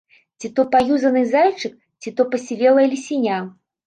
Ці то паюзаны зайчык, ці то пасівелае лісяня.